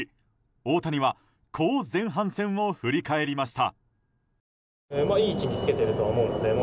大谷はこう前半戦を振り返りました。